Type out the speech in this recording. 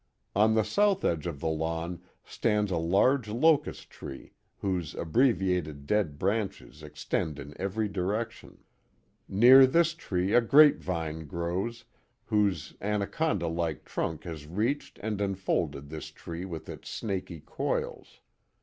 On the south edge of the lawn stands a large locust tree whose abbreviated dead branches extend in every direction. Near this tree a grape vine grows, whose an aconda like trunk has reached and enfolded this tree with its snaky coils.